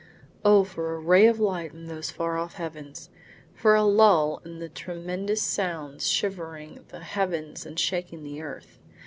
Oh, for a ray of light in those far off heavens For a lull in the tremendous sounds shivering the heavens and shaking the earth!